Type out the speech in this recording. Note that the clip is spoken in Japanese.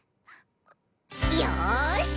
よし！